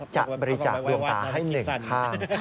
จะบริจาคดวงตาให้หนึ่งข้าง